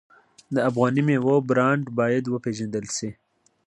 د افغاني میوو برنډ باید وپیژندل شي.